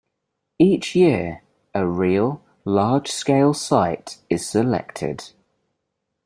Each year, a real, large-scale site is selected.